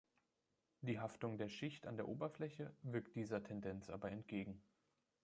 Die Haftung der Schicht an der Oberfläche wirkt dieser Tendenz aber entgegen.